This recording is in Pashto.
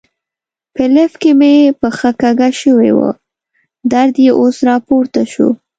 په لفټ کې مې پښه کږه شوې وه، درد یې اوس را پورته شو.